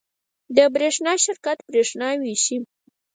د برښنا شرکت بریښنا ویشي